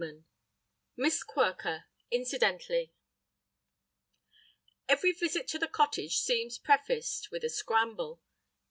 IV Miss Quirker—Incidentally EVERY visit to the cottage seems prefaced with a scramble.